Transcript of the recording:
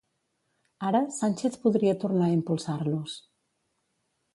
Ara, Sánchez podria tornar a impulsar-los.